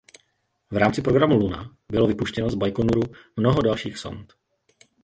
V rámci programu Luna bylo vypuštěno z Bajkonuru mnoho dalších sond.